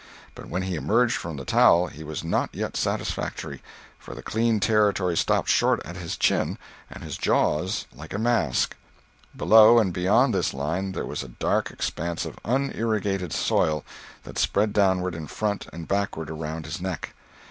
But when he emerged from the towel, he was not yet satisfactory, for the clean territory stopped short at his chin and his jaws, like a mask; below and beyond this line there was a dark expanse of unirrigated soil that spread downward in front and backward around his neck.